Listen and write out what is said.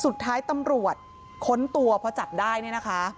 สุดท้ายตำรวจค้นตัวพอจับได้เนี่ยนะคะ